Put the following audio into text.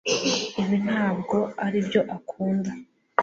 Ibi ntabwo aribyo akunda